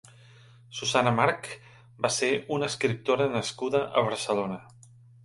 Susana March va ser una escriptora nascuda a Barcelona.